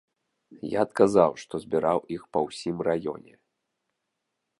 Я адказаў, што збіраў іх па ўсім раёне.